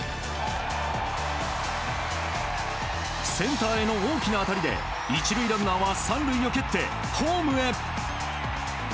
センターへの大きな当たりで１塁ランナーは３塁を蹴ってホームへ！